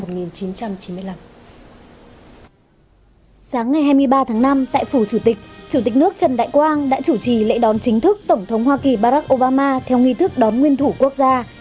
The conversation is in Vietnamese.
sáng ngày hai mươi ba tháng năm tại phủ chủ tịch chủ tịch nước trần đại quang đã chủ trì lễ đón chính thức tổng thống hoa kỳ barack obama theo nghi thức đón nguyên thủ quốc gia